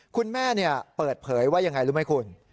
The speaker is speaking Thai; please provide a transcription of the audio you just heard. เปิดเผยว่ายังไงรู้ไหมคุณ